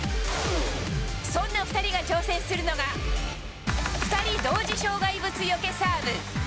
そんな２人が挑戦するのが、２人同時障害物よけサーブ。